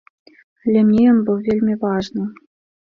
Але мне ён быў вельмі важны.